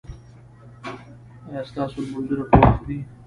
ایا ستاسو لمونځونه په وخت دي؟